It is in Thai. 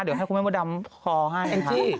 เดี๋ยวให้คุณแม่มดดำคอให้แองจี้